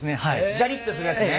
ジャリッとするやつね。